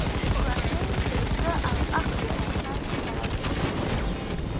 ژوندي د زړه او عقل تر منځ توازن ساتي